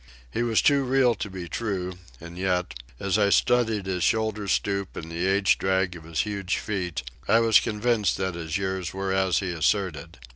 He was too real to be true, and yet, as I studied his shoulder stoop and the age drag of his huge feet, I was convinced that his years were as he asserted.